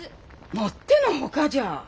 もっての外じゃ！